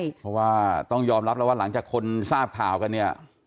เพราะว่าต้องยอมรับแล้วว่าหลังจากคนทราบข่าวกันเนี่ย